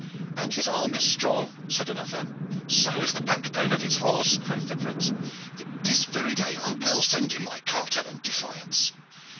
'And his arm is strong,' said another. 'So is the backbone of his horse,' quoth the prince. This very day I will send him my cartel and defiance."